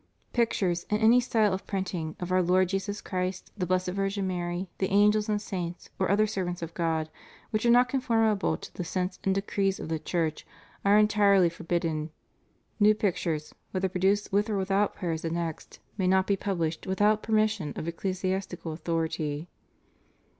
Pictures, in any style of printing, of Our Lord Jesus Christ, the Blessed Virgin Mary, the angels and saints, or other servants of God, which are not conformable to the sense and decrees of the Church, are entirely forbidden. New pictures, whether produced with or without prayers annexed, may not be pubhshed without permission of ecclesiastical authority.